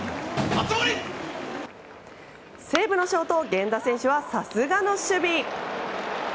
西武のショート源田選手はさすがの守備！